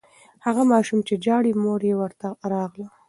هغه ماشوم چې ژاړي، مور یې ورته راغله.